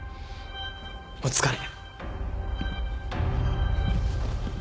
お疲れ。